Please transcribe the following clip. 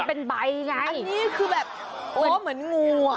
เป็นใบไงอันนี้คือแบบโอ้เหมือนงูอ่ะ